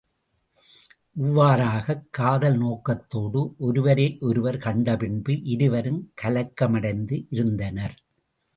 இவ்வாறாகக் காதல் நோக்கத்தோடு ஒருவரை ஒருவர் கண்ட பின்பு இருவரும் கலக்கமடைந்து இருந்தனர்.